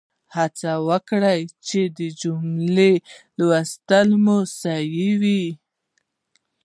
هڅه وکړئ چې د جملو لوستل مو صحیح وي.